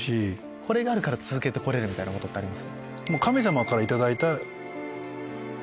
これがあるから続けて来れる！みたいなことってあります？